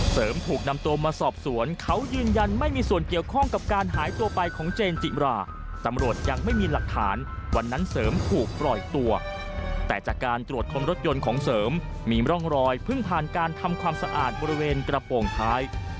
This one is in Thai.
เสริมถูกนำตัวมาสอบสวนเขายืนยันไม่มีส่วนเกี่ยวข้องกับการหายตัวไปของเจนจิราตำรวจยังไม่มีหลักฐานวันนั้นเสริมถูกปล่อยตัวแต่จากการตรวจคมรถยนต์ของเสริมมีร่องรอยเพิ่งผ่านการทำความสะอาดบริเวณกระโปรงท้าย